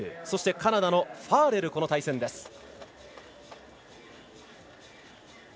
そして、カナダのファーレルの対戦です。